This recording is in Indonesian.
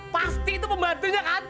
pasti itu pembantunya kan